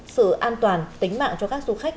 sự an toàn tính mạng cho các du khách